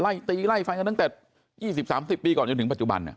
ตีไล่ฟันกันตั้งแต่๒๐๓๐ปีก่อนจนถึงปัจจุบัน